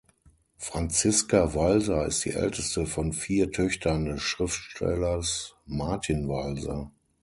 Franziska Walser ist die älteste von vier Töchtern des Schriftstellers Martin Walser.